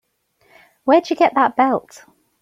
Where'd you get that belt?